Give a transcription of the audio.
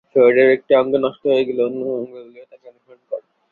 শরীরের একটি অঙ্গ নষ্ট হয়ে গেলে অন্য অঙ্গগুলিও তাকে অনুসরণ করে।